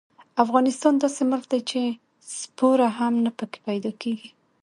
افغانستان داسې ملک دې چې سپوره هم نه پکې پیدا کېږي.